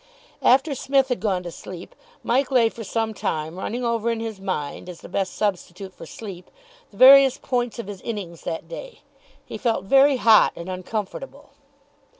After Psmith had gone to sleep, Mike lay for some time running over in his mind, as the best substitute for sleep, the various points of his innings that day. He felt very hot and uncomfortable.